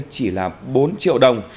chỉ là bốn triệu đồng